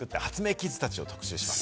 キッズたちを特集します。